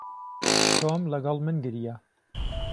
تۆم لەگەڵ من گریا.